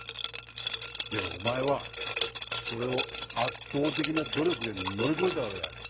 でもお前はそれを圧倒的な努力で乗り越えたわけだよ。